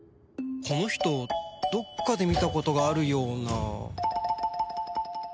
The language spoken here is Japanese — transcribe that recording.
この人どっかで見たことがあるような